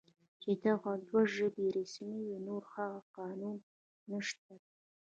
چې دغه دوه ژبې رسمي وې، نور هغه قانون نشته دی